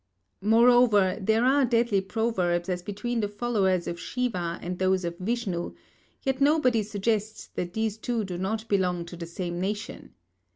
Moreover, there are deadly proverbs as between the followers of Shiva and those of Vishnu, yet nobody suggests that these two do not belong to the same nation.